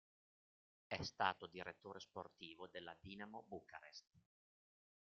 È stato direttore sportivo della Dinamo Bucarest.